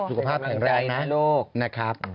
สุขภาพแห่งใดในโลกนะครับ